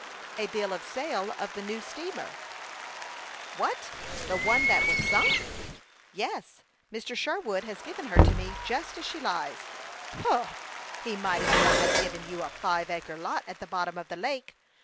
" A bill of sale of the new steamer ?"" What, the one that was sunk ?"" Yes ; Mr. Sherwood has given her to me, just as she lies." " Humph ! He might as well have given you a five acre lot at the bottom of the lake.